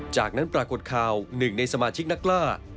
จากนั้นปรากฏข่าวหนึ่งในสมาชิกนักล่า